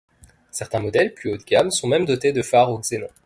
Certains modèles plus haut de gamme sont même dotés de phares au xénon.